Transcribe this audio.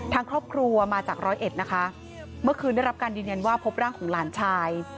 ทางครอบครัวมาจากร้อยเอ็ดนะคะเมื่อคืนได้รับการยืนยันว่าพบร่างของหลานชาย